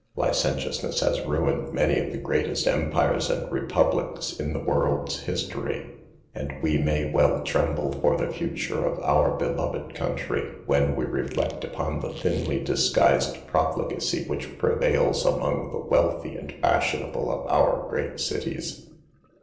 Licentiousness has ruined many of the greatest empires and republics in the world's history ; and we may well tremble for the future of our beloved country when we reflect upon the thinly disguised profligacy which prevails among the wealthy and fashionable of our great cities.